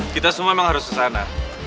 kita semua emang harus kesana